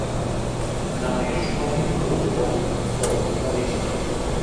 নামের সঠিক মূল অর্থ অনিশ্চিত।